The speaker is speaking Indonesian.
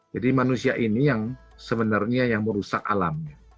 jadi manusia ini yang sebenarnya yang merusak alamnya